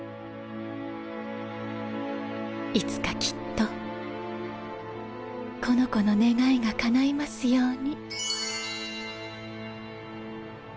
いつかきっとこの子の願いがかないますように